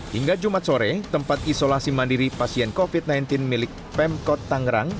hingga jumat sore tempat isolasi mandiri pasien covid sembilan belas milik pemkot tangerang